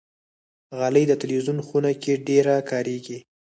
غالۍ د تلویزون خونه کې ډېره کاریږي.